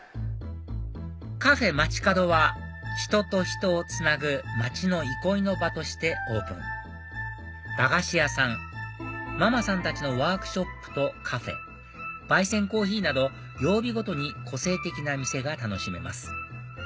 Ｃａｆまちかどは人と人をつなぐ街の憩いの場としてオープン駄菓子屋さんママさんたちのワークショップとカフェ焙煎コーヒーなど曜日ごとに個性的な店が楽しめます